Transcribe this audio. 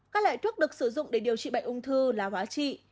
các loại thuốc được sử dụng để điều trị bệnh ung thư là hóa trị